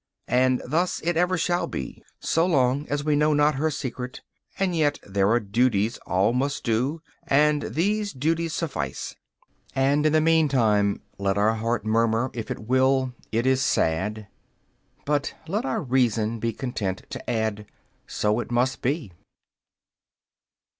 And thus it ever shall be, so long as we know not her secret; and yet there are duties all must do, and those duties suffice. And in the meantime let our heart murmur, if it will, "It is sad," but let our reason be content to add "So it must be."